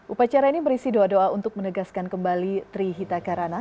upacara ini berisi doa doa untuk menegaskan kembali trihita karana